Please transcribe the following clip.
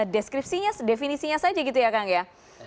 deskripsinya definisinya saja gitu ya kang ya